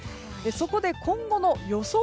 そこで、今後の予想